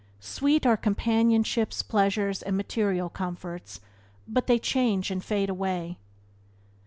Sweet are companionships, pleasures, and material comforts, but they change and fade away.